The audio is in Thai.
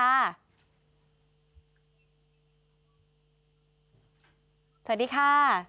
สวัสดีค่ะ